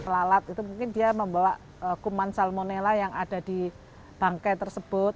pelalat itu mungkin dia membawa kuman salmonella yang ada di bangkai tersebut